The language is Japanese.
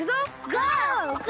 ゴー！